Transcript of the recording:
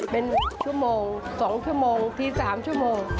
เป็นชั่วโมง๒ชั่วโมงที๓ชั่วโมง